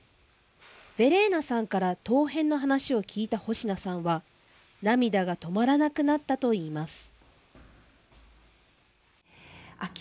ヴェレーナさんから陶片の話を聞いた保科さんは涙が止まらなくなったといいます。